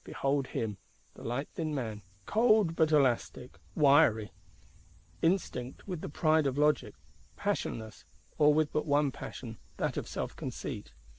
Behold him, the light thin man; cold, but elastic, wiry; instinct with the pride of Logic; passionless, or with but one passion, that of self conceit.